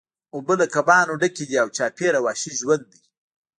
اوبه له کبانو ډکې دي او چاپیره وحشي ژوند دی